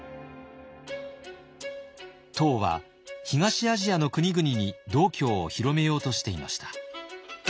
唐は東アジアの国々に道教を広めようとしていました。